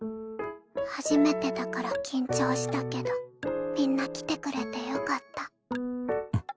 初めてだから緊張したけどみんな来てくれてよかった。